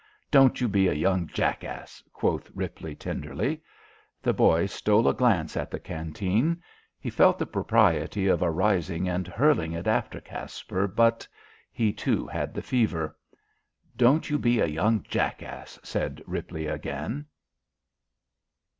"Don't you be a young jackass," quoth Ripley tenderly. The boy stole a glance at the canteen. He felt the propriety of arising and hurling it after Caspar, but he, too, had the fever. "Don't you be a young jackass," said Ripley again.